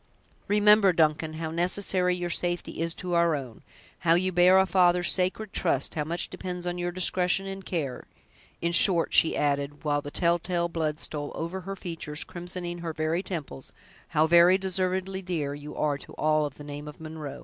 "Remember, Duncan, how necessary your safety is to our own—how you bear a father's sacred trust—how much depends on your discretion and care—in short," she added, while the telltale blood stole over her features, crimsoning her very temples, "how very deservedly dear you are to all of the name of Munro."